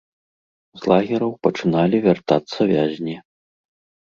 З лагераў пачыналі вяртацца вязні.